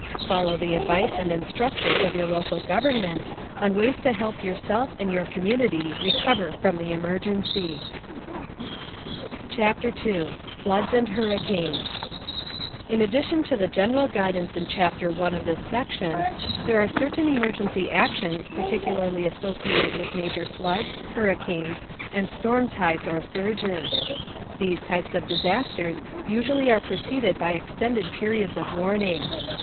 Follow the advice and instructions of your local government on ways to help yourself and your community recover from the emergency. CHAPTER 2 FLOODS AND HURRICANES In addition to the general guidance in Chapter 1 of this section, there are certain emergency actions particularly associated with major floods, hurricanes, and storm tides or surges. These types of disasters usually are preceded by extended periods of warning.